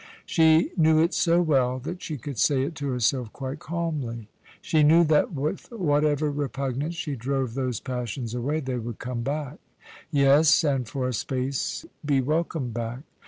She knew it so well that she could say it to herself quite calmly. She knew that, with whatever repugnance she drove those passions away, they would come back yes, and for a space be welcomed back.